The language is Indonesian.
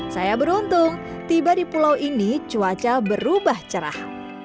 saya beruntung tiba di pulau ini cuaca berubah cerah